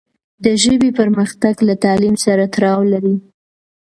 د ژبې پرمختګ له تعلیم سره تړاو لري.